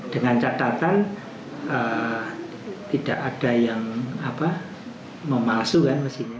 dengan catatan tidak ada yang memalsukan mesinnya